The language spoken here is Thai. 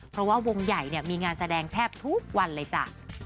เพราะว่าวงใหญ่เนี่ยมีงานแสดงแทบทุกวันเลยจ้ะ